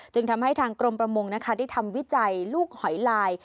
จึงทำให้ทางกรมประมงนะคะได้ทำวิจัยลูกหอยลาย